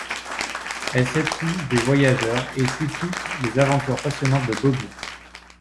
Elle sait tout des Voyageurs et suit toutes les aventures passionnantes de Bobby.